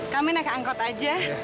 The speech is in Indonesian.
kami nak angkot aja